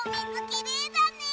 きれいだね。